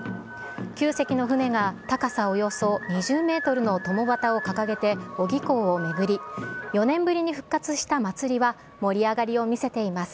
９隻の船が高さおよそ２０メートルのとも旗を掲げて小木港を巡り、４年ぶりに復活した祭りは盛り上がりを見せています。